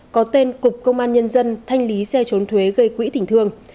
có tên cục công an nhân dân thanh lý xe trốn thuế gây quỹ tỉnh thương